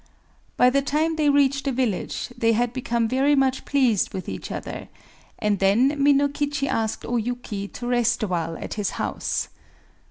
By the time they reached the village, they had become very much pleased with each other; and then Minokichi asked O Yuki to rest awhile at his house.